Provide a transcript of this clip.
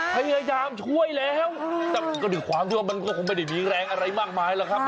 พยายามช่วยแล้วแต่ถึงความที่ว่ามันก็คงไม่ได้มีแรงอะไรมากมายละครับ